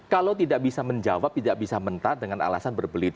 kalau tidak bisa menjawab tidak bisa mentah dengan alasan berbelit